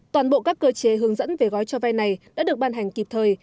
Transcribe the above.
toàn bộ các cơ chế hướng dẫn về gói cho vay này đã được ban hành kịp thời